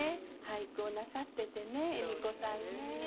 俳句をなさっててね恵美子さんね。